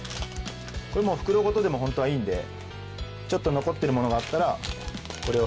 これもう袋ごとでも本当はいいんでちょっと残ってるものがあったらこれを袋ごと潰しても。